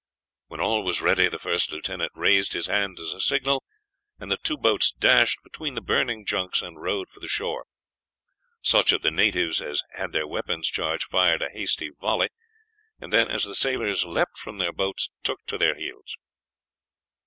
When all was ready the first lieutenant raised his hand as a signal, and the two boats dashed between the burning junks and rowed for the shore. Such of the natives as had their weapons charged fired a hasty volley, and then, as the sailors leapt from their boats, took to their heels.